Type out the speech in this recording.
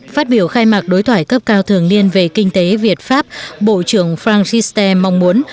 phát biểu khai mạc đối thoại cấp cao thường niên về kinh tế việt pháp bộ trưởng franciste mong muốn